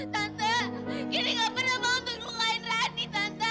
tante kini nggak pernah mau untuk nungguin rani tante